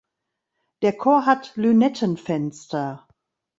Der Chor hat Lünettenfenster.